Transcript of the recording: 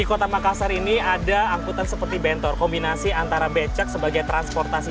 di kota makassar ini ada angkutan seperti bentor kombinasi antara becak sebagai transportasi